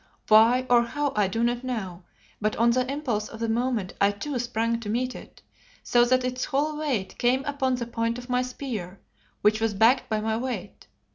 Why or how I do not know, but on the impulse of the moment I too sprang to meet it, so that its whole weight came upon the point of my spear, which was backed by my weight.